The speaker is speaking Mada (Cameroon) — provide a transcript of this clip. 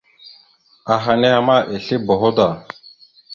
Aha henne ma esle boho da.